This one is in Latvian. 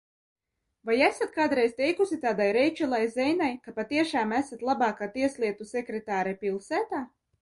Vai esat kādreiz teikusi tādai Reičelai Zeinai, ka patiešām esat labākā tieslietu sekretāre pilsētā?